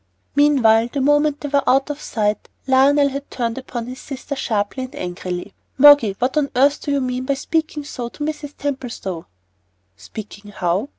Meanwhile the moment they were out of sight Lionel had turned upon his sister sharply, and angrily. "Moggy, what on earth do you mean by speaking so to Mrs. Templestowe?" "Speaking how?